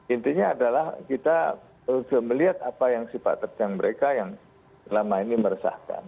intinya adalah kita melihat apa yang sifat terjang mereka yang selama ini meresahkan